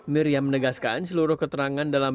miriam menegaskan seluruh keterangan dalam